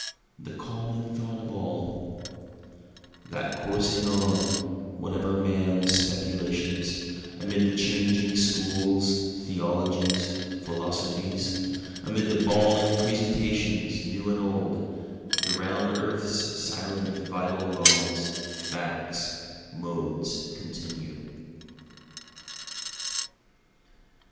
The Calming Thought of All That coursing on, whate'er men's speculations, Amid the changing schools, theologies, philosophies, Amid the bawling presentations new and old, The round earth's silent vital laws, facts, modes continue.